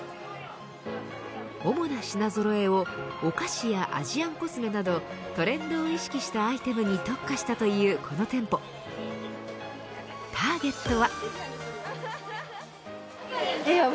主な品ぞろえをお菓子やアジアンコスメなどトレンドを意識したアイテムに特化したというこの店舗ターゲットは。